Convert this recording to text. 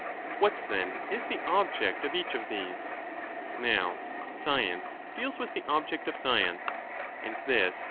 What, then, is the object of each of these? Now science deals with the object of science, and this \2 2>z = E.